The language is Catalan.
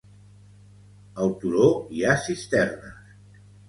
Al turó hi ha cisternes.